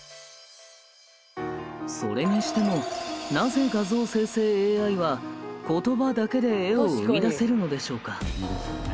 それにしてもなぜ画像生成ＡＩは言葉だけで絵を生み出せるのでしょうか？